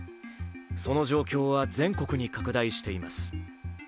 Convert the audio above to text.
その状況は全国に拡大しています。